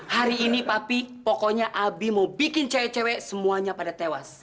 hari ini papi pokoknya abi mau bikin cewek cewek semuanya pada tewas